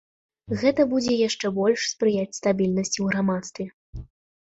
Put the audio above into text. Гэта будзе яшчэ больш спрыяць стабільнасці ў грамадстве.